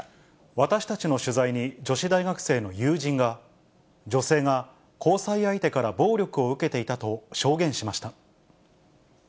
私たちの取材に女子大学生の友人が、女性が交際相手から暴力を受けていたと証言しました。